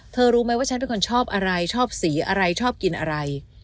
รู้ไหมว่าฉันเป็นคนชอบอะไรชอบสีอะไรชอบกินอะไร